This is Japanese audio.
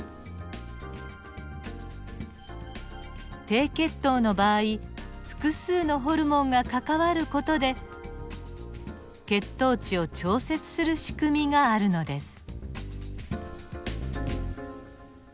低血糖の場合複数のホルモンが関わる事で血糖値を調節する仕組みがあるのです。